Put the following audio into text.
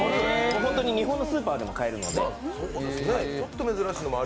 日本のスーパーでも買えるので。